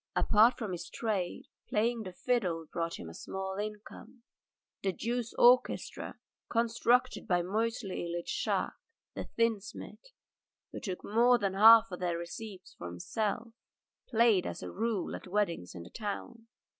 Apart from his trade, playing the fiddle brought him in a small income. The Jews' orchestra conducted by Moisey Ilyitch Shahkes, the tinsmith, who took more than half their receipts for himself, played as a rule at weddings in the town.